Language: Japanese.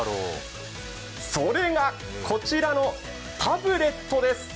それが、こちらのタブレットです。